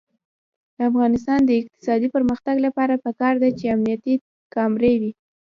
د افغانستان د اقتصادي پرمختګ لپاره پکار ده چې امنیتي کامرې وي.